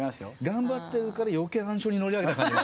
頑張ってるから余計暗礁に乗り上げた感じが。